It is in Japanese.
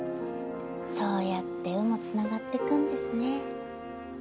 そうやって鵜もつながってくんですね。